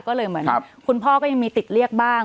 ก็เลยเหมือนคุณพ่อก็ยังมีติดเรียกบ้าง